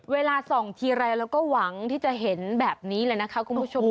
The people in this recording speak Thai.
เวลาส่องทีไรเราก็หวังที่จะเห็นแบบนี้เลยนะคะคุณผู้ชม